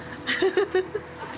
フフフフ。